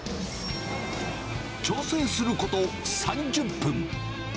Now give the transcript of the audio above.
調整すること３０分。